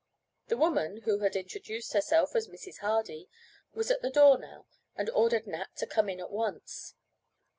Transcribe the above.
The woman, who had introduced herself as Mrs. Hardy, was at the door now, and ordered Nat to come in at once.